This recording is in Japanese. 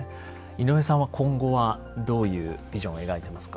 井上さんは今後はどういうビジョンを描いてますか？